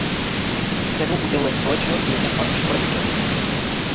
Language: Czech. Cenu uděluje Společnost Josefa Škvoreckého.